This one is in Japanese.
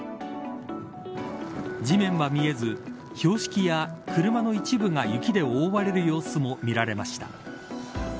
地面は見えず標識や車の一部が雪で覆われる様子も見られました。